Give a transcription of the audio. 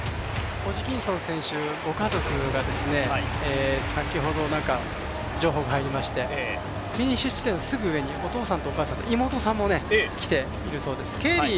ホジキンソン選手ご家族が先ほど情報が入りまして、フィニッシュ地点のすぐ上にお父さんとお母さんと妹さんも来ているそうです。